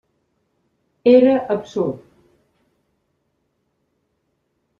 Era absurd.